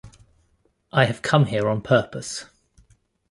I have come here on purpose.